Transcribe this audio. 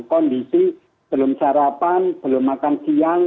kondisi belum sarapan belum makan siang